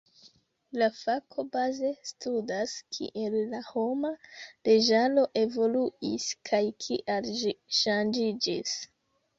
La fako baze studas, kiel la homa leĝaro evoluis kaj kial ĝi ŝanĝiĝis.